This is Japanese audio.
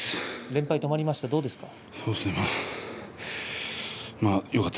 連敗が止まりました、どうですか。